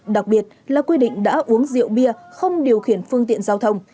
đặc biệt là quy định đã uống rượu bia không điều khiển phương tiện giao thông